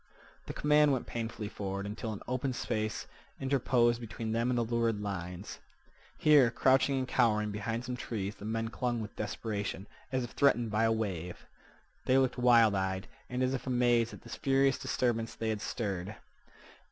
The command went painfully forward until an open space interposed between them and the lurid lines. Here, crouching and cowering behind some trees, the men clung with desperation, as if threatened by a wave. They looked wild eyed, and as if amazed at this furious disturbance they had stirred.